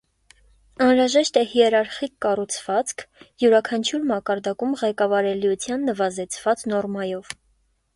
Անհրաժեշտ է հիերարխիկ կառուցվածք՝ յուրաքանչյուր մակարդակում ղեկավարելիության նվազեցված նորմայով։